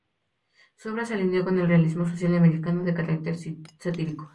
Su obra se alineó con el realismo social americano, de carácter satírico.